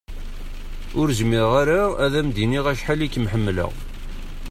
Ur zmireɣ ara ad am-d-iniɣ acḥal i kem-ḥemmleɣ.